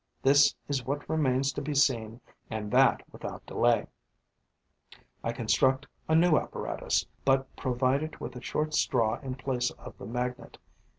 This is what remains to be seen and that without delay. I construct a new apparatus, but provide it with a short straw in place of the magnet.